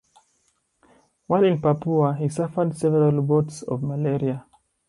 While in Papua, he suffered several bouts of malaria.